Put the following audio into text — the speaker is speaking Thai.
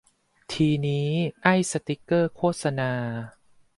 ทีนี้ ไอ้สติ๊กเกอร์โฆษณา